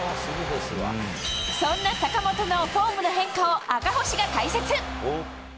そんな坂本のフォームの変化を赤星が解説。